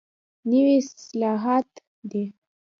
نوي اصطلاحات دي.